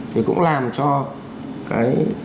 thì cũng làm cho cái